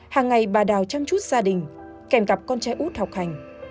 hàng ngày bà đào chăm chút gia đình kèm cặp con trai út học hành